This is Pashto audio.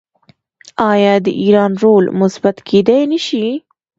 آیا د ایران رول مثبت کیدی نشي؟